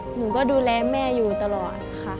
หนูก็ดูแลแม่อยู่ตลอดค่ะ